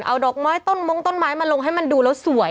เอาดอกไม้ต้นมงต้นไม้มาลงให้มันดูแล้วสวย